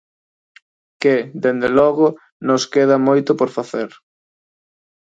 ¿Que, dende logo, nos queda moito por facer?